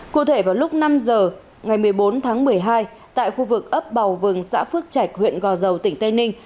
cụ thể vào lúc năm giờ ngày một mươi bốn tháng một mươi hai tại khu vực ấp bào vừng xã phước trạch huyện gò dầu tỉnh tây ninh